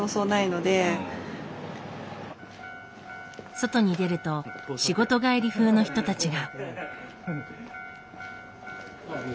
外に出ると仕事帰り風の人たちが。